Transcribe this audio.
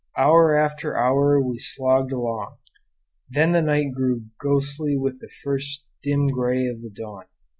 Hour after hour we slogged along. Then the night grew ghostly with the first dim gray of the dawn.